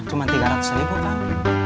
cuma tiga ratus ribu kang